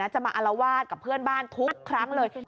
จะมาอารวาสกับเพื่อนบ้านทุกครั้งเลย